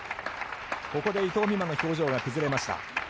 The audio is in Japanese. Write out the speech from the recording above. ここで伊藤美誠の表情が崩れました。